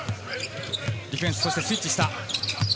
ディフェンス、そしてスイッチした。